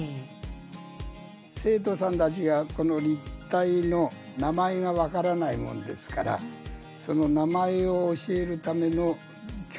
生徒さんたちがこの立体の名前がわからないもんですからその名前を教えるための教具になるんですよね。